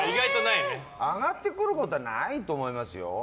挙がってくることはないと思いますよ。